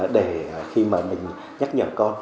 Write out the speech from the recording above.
để khi mà mình nhắc nhở con